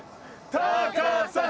タカさん！